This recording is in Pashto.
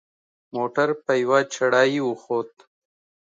موټر په یوه چړهایي وخوت.